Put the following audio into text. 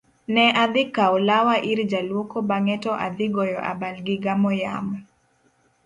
ne adhi kawo lawa ir jaluoko bang'e to adhi goyo abal gigamo yamo